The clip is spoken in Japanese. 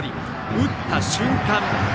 打った瞬間。